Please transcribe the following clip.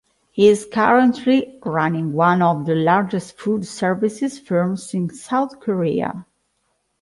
He is currently running one of the largest food services firms in South Korea.